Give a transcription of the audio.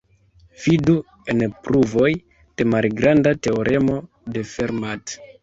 Vidu en pruvoj de malgranda teoremo de Fermat.